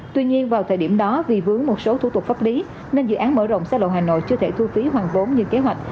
tuy nhiên vào thời điểm đó vì vướng một số thủ tục pháp lý nên dự án mở rộng xa lộ hà nội chưa thể thu phí hoàn vốn như kế hoạch